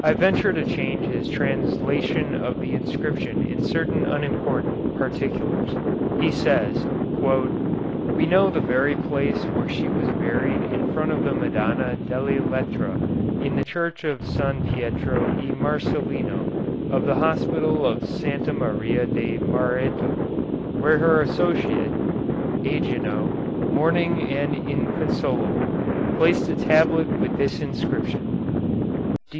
I venture to change his translation of the inscription in certain unimportant particulars. He says: "We know the very place where she was buried in front of the Madonna delle Lettre in the Church of San Pietro e Marcellino of the Hospital of Santa Maria de Mareto, where her associate, Agenio, mourning and inconsolable, placed a tablet with this inscription: D .